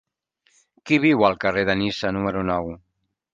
Qui viu al carrer de Niça número nou?